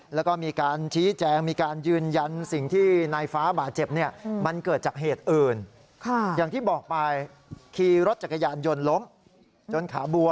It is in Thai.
แล้วก็มีการชี้แจงมีการยืนยัน